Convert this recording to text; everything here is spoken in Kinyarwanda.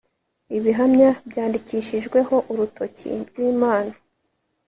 ibihamya byandikishijweho urutoki rw imana